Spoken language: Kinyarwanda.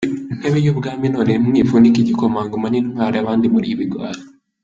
ntebe y'ubwami, none mwivunika igikomangoma ni Ntwari abandi muri ibigwari.